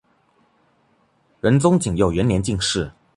仁宗景佑元年进士。